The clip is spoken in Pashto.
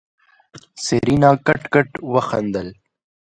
سېرېنا کټ کټ وخندل.